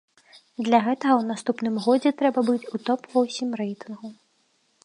Для гэтага ў наступным годзе трэба быць у топ-восем рэйтынгу.